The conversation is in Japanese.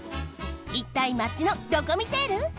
いったいマチのドコミテール？